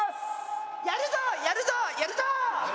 やるぞやるぞやるぞー！